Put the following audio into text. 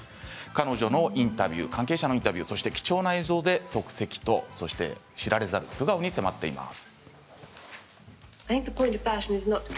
彼女のインタビュー関係者のインタビューそして貴重な映像で足跡と知られざる素顔に迫っています。